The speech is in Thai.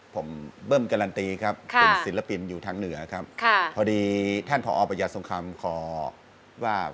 ผมเบิร์มการันตีครับสิริปปินอยู่ทางเหนือครับพอดีท่านผอประญาติสงคัมขอว่า